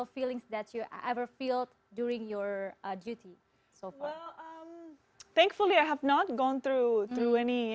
selamatnya saya tidak pernah melalui perang seperti ini saya sendiri di negara saya